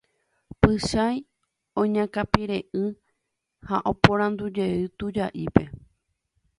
Pychãi oñakãpire'ỹi ha oporandujey tuja'ípe.